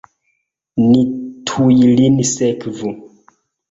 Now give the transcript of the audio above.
Ni tuj lin sekvu!